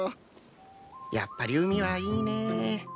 やっぱり海はいいねぇ。